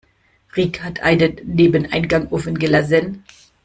Rick hat einen Nebeneingang offen gelassen.